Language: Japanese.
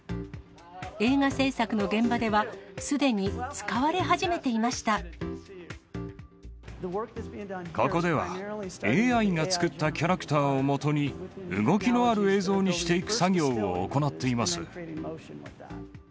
映画製作の現場では、すでに使わここでは、ＡＩが作ったキャラクターをもとに動きのある映像にしていく作業を行っています。